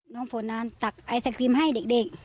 น้องฝนน่ารอกอายแซกกรีมให้เด็ก